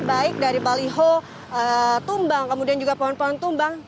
baik dari baliho tumbang kemudian juga pohon pohon tumbang